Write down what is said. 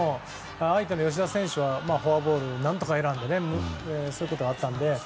相手の吉田選手はフォアボールで何とかエラーでそういうことがあったので。